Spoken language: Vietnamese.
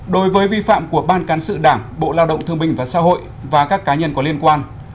một đối với vi phạm của ban cán sự đảng bộ lao động thương minh và xã hội và các cá nhân có liên quan